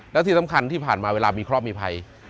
และที่สำคัญที่ผ่านมาเวลามีเคราะห์มีภัย